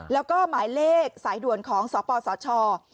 แล้วก็หมายเลขสายด่วนของสปสช